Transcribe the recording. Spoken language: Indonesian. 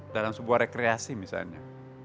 dalam sebuah rekreasi misalnya